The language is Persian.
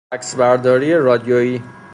عکس برداری رادیوئی